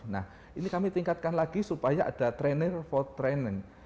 nah ini kami tingkatkan lagi supaya ada trainer for training